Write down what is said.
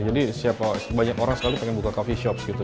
jadi banyak orang sekali pengen buka coffee shop gitu